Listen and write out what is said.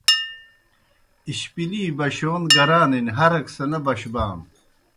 اشپِلِی بشِیون گرانِن ہرک سہ نہ بشبانوْ۔